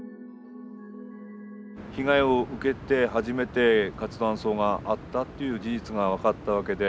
被害を受けて初めて活断層があったっていう事実が分かったわけで。